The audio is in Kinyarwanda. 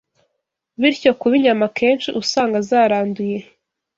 Bityo kuba inyama akenshi usanga zaranduye